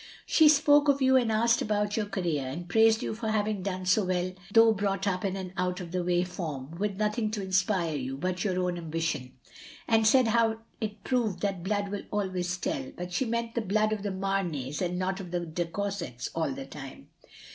''She spoke of you and c^ked about your career and praised you for having done so well though brought up in an out of the way farm, with nothing to inspire you but your own ambition; and said how it proved that blood will always tell (but she meant the blood of the Marneys and not of the de C our sets all the time).